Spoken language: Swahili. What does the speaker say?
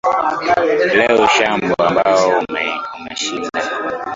leo ushambo ambaye ameshinda